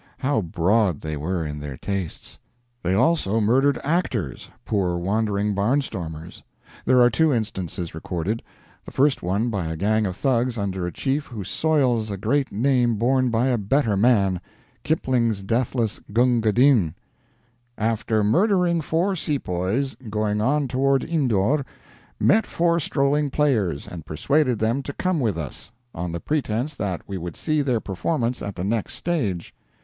How broad they were in their tastes! They also murdered actors poor wandering barnstormers. There are two instances recorded; the first one by a gang of Thugs under a chief who soils a great name borne by a better man Kipling's deathless "Gungadin": "After murdering 4 sepoys, going on toward Indore, met 4 strolling players, and persuaded them to come with us, on the pretense that we would see their performance at the next stage.